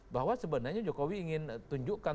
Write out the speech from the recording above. bahwa sebenarnya jokowi ingin tunjukkan